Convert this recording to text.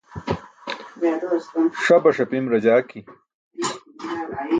Ṣabaṣ apim rajaajki.